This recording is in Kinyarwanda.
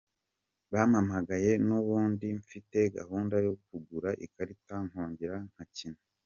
Bampamagaye n’ubundi mfite gahunda yo kugura ikarita nkongera ngakina.